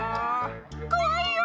怖いよー。